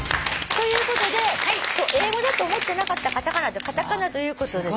ということで英語だと思ってなかったカタカナということでね。